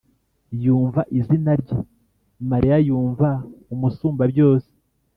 yumva izina rye. mariya yumva umusumbabyose